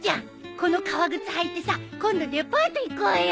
この革靴履いてさ今度デパート行こうよ。